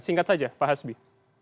singkat saja pak asbi